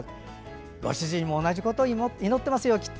ご主人も同じことを祈っていますよ、きっと。